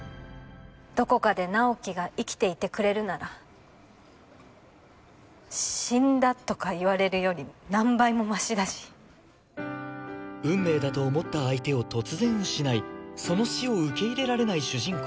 どこかで直木が生きていてくれるなら死んだとか言われるより何倍もマシだし運命だと思った相手を突然失いその死を受け入れられない主人公